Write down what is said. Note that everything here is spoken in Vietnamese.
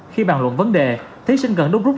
khi bàn luận vấn đề thí sinh cần đúc rút